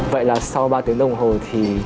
vậy là sau ba tiếng đồng hồ thì